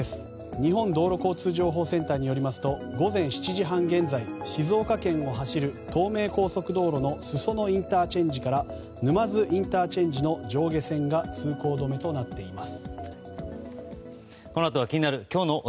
日本道路交通情報センターによりますと午前７時半現在静岡県を走る東名高速道路の裾野ＩＣから沼津ＩＣの上下線が通行止めとなっています。